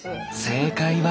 正解は？